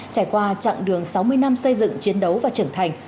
trải qua chặng đường sáu mươi năm xây dựng chiến đấu và trưởng thành